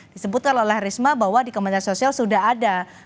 disebutkan oleh risma bahwa di kementerian sosial sudah ada